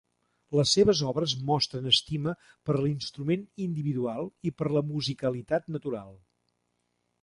Les seves obres mostren estima per l'instrument individual i per la musicalitat natural.